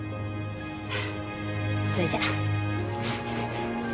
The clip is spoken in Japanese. それじゃ。